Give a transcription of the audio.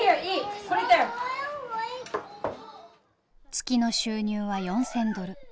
月の収入は４，０００ドル。